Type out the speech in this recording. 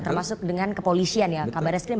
termasuk dengan kepolisian ya kabar eskrim